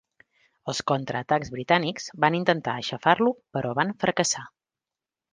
Els contraatacs britànics van intentar aixafar-lo però van fracassar.